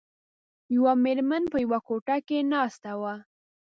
یوه میرمن په یوه کوټه کې ناسته وه.